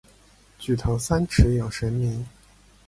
举头三尺有神明。